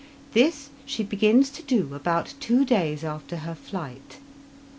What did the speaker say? This she begins to do about two days after her flight.